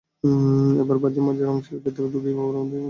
এবার ভাঁজের মাঝের অংশ ভেতরে ঢুকিয়ে অপর দুই পাশ ঘুরিয়ে আটকে দিন।